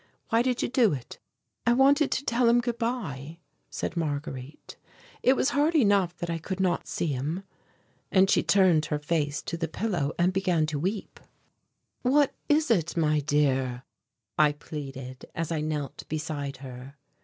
Why did you do it?" "I wanted to tell him good bye," said Marguerite. "It was hard enough that I could not see him." And she turned her face to the pillow and began to weep. "What is it, my dear?" I pleaded, as I knelt beside her.